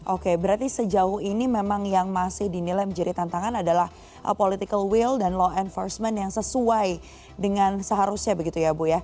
oke berarti sejauh ini memang yang masih dinilai menjadi tantangan adalah political will dan law enforcement yang sesuai dengan seharusnya begitu ya bu ya